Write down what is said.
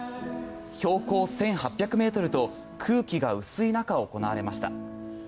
標高１８００ｍと空気が薄い中、行われました。